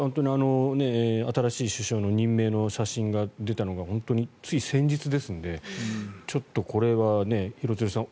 新しい首相の任命の写真が出たのが本当につい先日ですのでこれは廣津留さん